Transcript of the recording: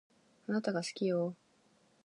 あなたが好きよ